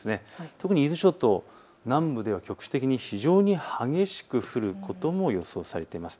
特に伊豆諸島、南部では局地的に非常に激しく降ることも予想されています。